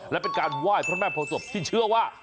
และเป็นการไหว้พระท่านพระองค์โสมที่เชื่อว่า